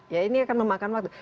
ya ini akan memakan waktu